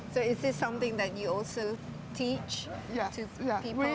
jadi apakah ini sesuatu yang kamu juga ajar kepada orang orang